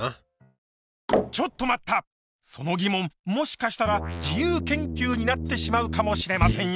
その疑問もしかしたら自由研究になってしまうかもしれませんよ！